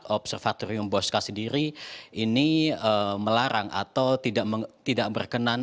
observatorium bosca sendiri ini melarang atau tidak berkenan